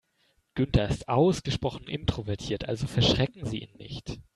Günther ist ausgesprochen introvertiert, also verschrecken Sie ihn nicht.